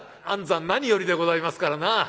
安産何よりでございますからな」。